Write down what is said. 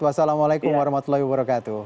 wassalamualaikum warahmatullahi wabarakatuh